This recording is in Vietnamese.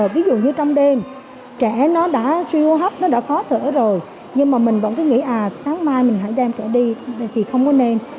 ví dụ như trong đêm trẻ nó đã suy hô hấp nó đã khó thở rồi nhưng mà mình vẫn cứ nghĩ à sáng mai mình hãy đem trẻ đi thì không có nên